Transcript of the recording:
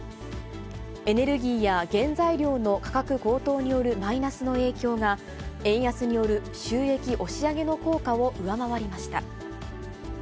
エネルギーや原材料の価格高騰によるマイナスの影響が、円安による収益押し上げの効果を上回りました。